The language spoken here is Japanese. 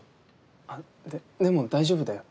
あっでも大丈夫だよ。